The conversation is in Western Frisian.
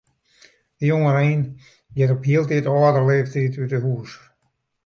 De jongerein giet op hieltyd âldere leeftiid út 'e hús.